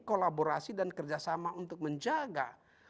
kolaborasi dan kerjasama untuk menjaga